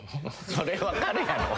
それ分かるやろう。